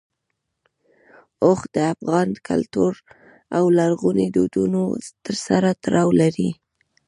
اوښ د افغان کلتور او لرغونو دودونو سره تړاو لري.